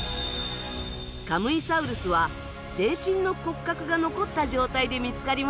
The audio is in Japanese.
カムイサウルスは全身の骨格が残った状態で見つかりました。